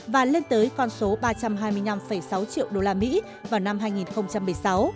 và lên tới con số ba trăm hai mươi năm sáu triệu đô la mỹ vào năm hai nghìn một mươi năm